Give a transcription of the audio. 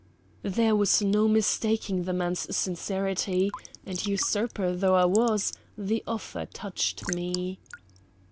There was no mistaking the man's sincerity, and, usurper though I was, the offer touched me.